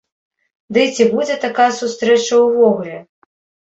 Дый ці будзе тая сустрэча ўвогуле?